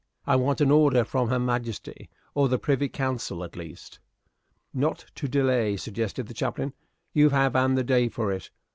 "I want an order from His Majesty, or the Privy Council at least." "Not to delay," suggested the chaplain. "You have an the day for it."